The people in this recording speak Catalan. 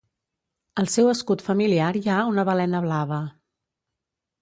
Al seu escut familiar hi ha una balena blava.